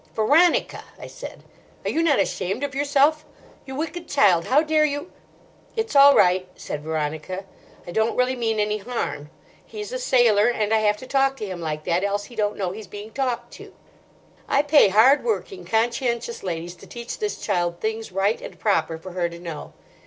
"Veronica," I said, "are you not ashamed of yourself? You wicked child, how dare you—" "It's all right," said Veronica. "I don't really mean any harm. He's a sailor, and I have to talk to him like that, else he don't know he's being talked to." I pay hard working, conscientious ladies to teach this child things right and proper for her to know.